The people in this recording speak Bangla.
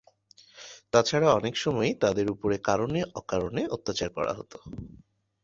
তাছাড়া অনেক সময়ই তাদের উপর কারণে অকারণে অত্যাচার করা হতো।